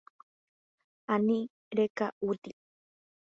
Ani reka'úti.